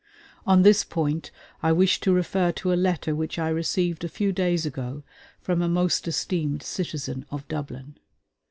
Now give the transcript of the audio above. On this point I wish to refer to a letter which I received a few days ago from a most esteemed citizen of Dublin.